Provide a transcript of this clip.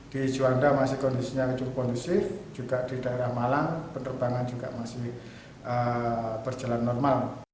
di juanda masih kondisinya cukup kondusif juga di daerah malang penerbangan juga masih berjalan normal